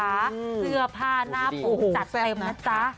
เสื้อผ้าหน้าผมจัดเต็มนะจ๊ะ